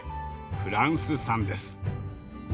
フランス産です。